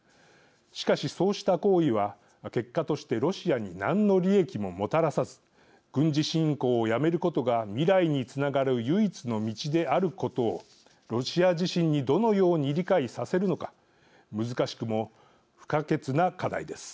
しかし、そうした行為は結果としてロシアに何の利益ももたらさず軍事侵攻をやめることが未来につながる唯一の道であることをロシア自身にどのように理解させるのか難しくも不可欠な課題です。